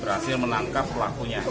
tersangka menangkap pelakunya